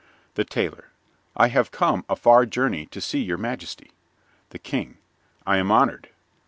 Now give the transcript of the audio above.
_) THE TAILOR I have come a far journey to see your majesty. THE KING I am honored.